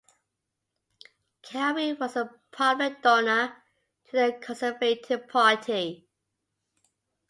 Cowie was a prominent donor to the Conservative Party.